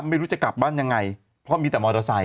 ไม่รู้จะกลับบ้านยังไงเพราะมีแต่มอเตอร์ไซค